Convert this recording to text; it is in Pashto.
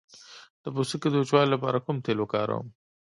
د پوستکي د وچوالي لپاره کوم تېل وکاروم؟